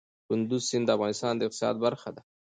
کندز سیند د افغانستان د اقتصاد برخه ده.